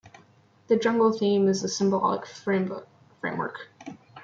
The jungle theme is the symbolic framework.